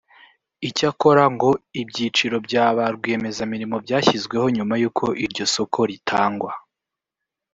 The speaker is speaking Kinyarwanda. Icyakora ngo ibyiciro bya ba rwiyemezamirimo byashyizweho nyuma y’uko iryo soko ritangwa